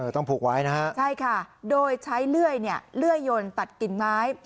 ต้องผูกไว้นะฮะใช่ค่ะโดยใช้เลื่อยเลื่อยยนตัดกิ่งไม้